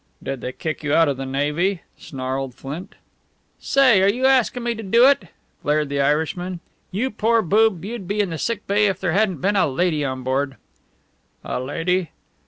"Did they kick you out of the Navy?" snarled Flint. "Say, are you asking me to do it?" flared the Irishman. "You poor boob, you'd be in the sick bay if there hadn't been a lady on board." "A lady?"